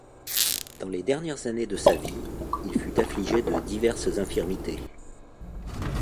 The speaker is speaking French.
Dans les dernières années, de sa vie il fut affligé de diverses infirmités.